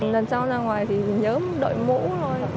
lần sau ra ngoài thì nhớ đội mũ thôi